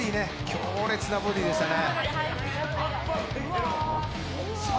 強烈なボディでしたね。